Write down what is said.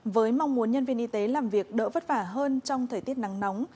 với mong muốn nhân viên y tế làm việc đỡ vất vả hơn trong thời tiết nắng nóng